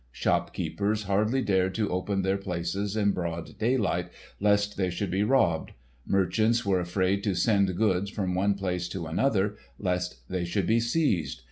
Shopkeepers hardly dared to open their places in broad daylight, lest they should be robbed. Merchants were afraid to send goods from one place to another, lest they should be seized.